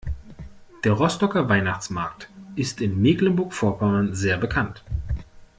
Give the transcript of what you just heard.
Der Rostocker Weihnachtsmarkt ist in Mecklenburg Vorpommern sehr bekannt.